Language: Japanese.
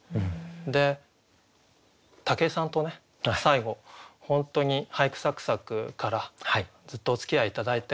で武井さんとね最後本当に「俳句さく咲く！」からずっとおつきあい頂いて。